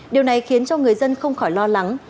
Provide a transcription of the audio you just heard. điều này khiến cho người dân không khỏi lo lắng